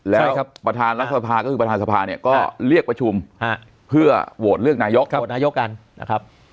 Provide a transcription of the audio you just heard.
แล้วประธานรัฐสภาก็คือประธานสภาเนี่ยก็เรียกประชุมเพื่อโหวตเลือกนายก